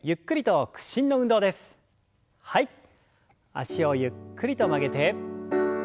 脚をゆっくりと曲げて。